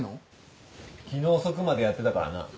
昨日遅くまでやってたからな。